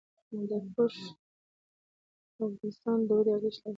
هندوکش د افغانستان د اقتصادي ودې لپاره ارزښت لري.